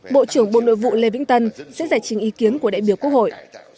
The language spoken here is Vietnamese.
bộ trưởng bộ nội vụ lê vĩnh tân sẽ giải trình ý kiến của đại biểu quốc hội